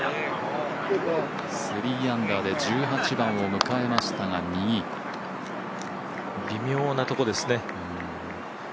３アンダーで１８番を迎えましたが微妙なところですね。